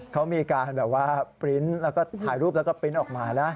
เขามีการปรินท์แล้วก็ถ่ายรูปแล้วก็ปรินท์ออกมานะ